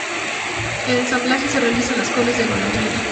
El ensamblaje se realiza en colas de golondrina.